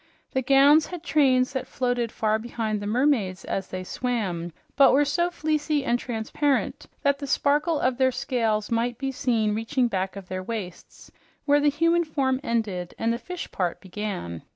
The gowns had trains that floated far behind the mermaids as they swam, but were so fleecy and transparent that the sparkle of their scales might be seen reaching back of their waists, where the human form ended and the fish part began.